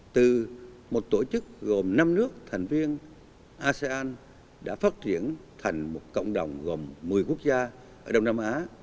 từ một tổ chức gồm năm nước thành viên asean đã phát triển thành một cộng đồng gồm một mươi quốc gia ở đông nam á